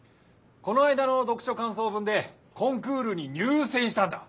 この間の読書かんそう文でコンクールに入せんしたんだ。